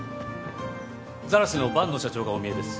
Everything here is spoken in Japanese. ザラスの万野社長がおみえです。